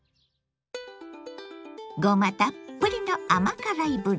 ごまたっぷりの甘辛いぶり。